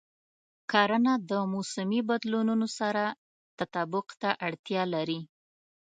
کرنه د موسمي بدلونونو سره تطابق ته اړتیا لري.